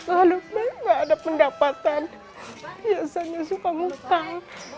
kalau baik gak ada pendapatan biasanya suka mukam